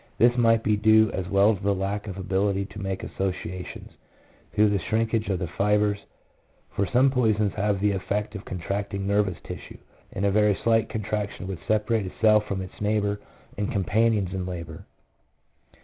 1 This might be due as well to the lack of ability to make associations, through the shrinkage of the fibres, for some poisons have the effect of con tracting nervous tissue, 2 and a very slight contraction would separate a cell from its neighbours and com panions in labour.